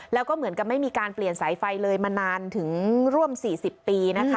แล้วก็เหมือนกับไม่มีการเปลี่ยนสายไฟเลยมานานถึงร่วม๔๐ปีนะคะ